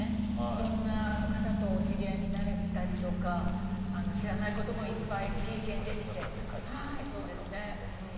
いろんな方とお知り合いになれたりとか知らないこともいっぱい経験できて。